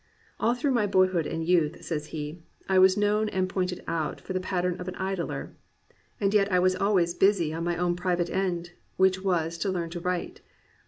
"All through my boyhood and youth," says he, "I was known and pointed out for the pattern of an idler, and yet I was always busy on my own private end, which was to learn to write."